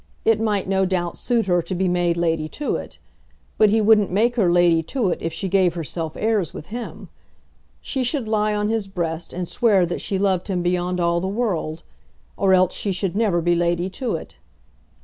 It might, no doubt, suit her to be made Lady Tewett; but he wouldn't make her Lady Tewett if she gave herself airs with him. She should lie on his breast and swear that she loved him beyond all the world; or else she should never be Lady Tewett.